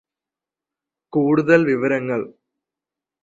കൂടുതല് വിവരങ്ങള്